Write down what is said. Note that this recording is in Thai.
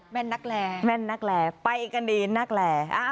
แม่นนักแลแม่นนักแหล่ไปกันดีนักแล